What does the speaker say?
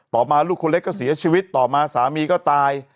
ต่อมาลูกคนเล็กก็เสียชีวิตต่อมาสามีก็ตาย